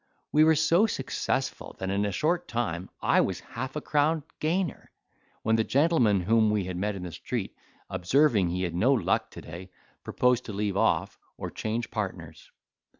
We were so successful, that in a short time I was half a crown gainer; when the gentleman whom we had met in the street observing he had no luck to day, proposed to leave off, or change partners.